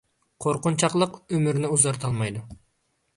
قورقۇنچاقلىق ئۆمۈرنى ئۇزارتالمايدۇ